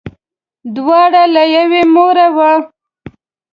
دواړه له یوې موره وه.